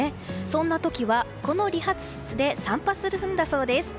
そんな時は、この理髪室で散髪するんだそうです。